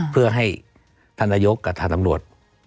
เพื่อให้ท่านนายกกับทางตำรวจ